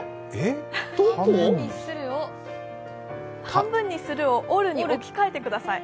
半分にするを「折る」に置き換えてください。